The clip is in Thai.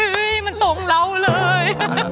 เฮ้ยมันตรงเราเลย